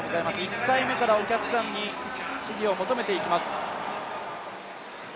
１回目からお客さんに支持を求めていきます。